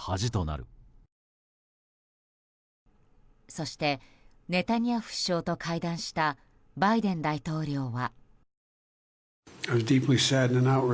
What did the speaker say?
そして、ネタニヤフ首相と会談したバイデン大統領は。